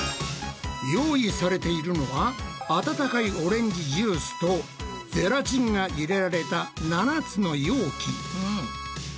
用意されているのは温かいオレンジジュースとゼラチンが入れられた７つの容器。